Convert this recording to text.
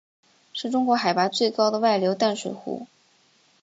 是中国海拔最高的外流淡水湖。